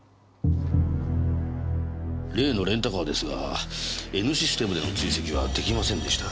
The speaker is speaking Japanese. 例のレンタカーですがＮシステムでの追跡はできませんでした。